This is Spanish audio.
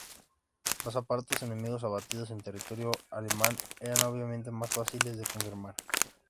Los aparatos enemigos abatidos en territorio alemán eran obviamente más fáciles de confirmar.